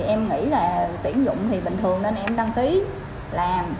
em nghĩ là tuyển dụng thì bình thường nên em đăng ký làm